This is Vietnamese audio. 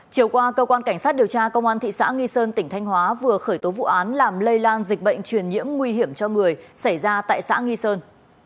chiều qua cơ quan cảnh sát điều tra công an thị xã nghi sơn tỉnh thanh hóa vừa khởi tố vụ án làm lây lan dịch bệnh truyền nhiễm nguy hiểm cho người xảy ra tại xã nghi sơn